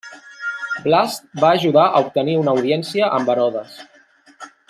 Blast va ajudar a obtenir una audiència amb Herodes.